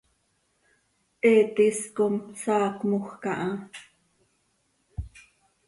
He tis com saacmoj caha.